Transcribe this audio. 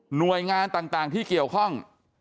หน่วยงานต่างที่เกี่ยวข้อง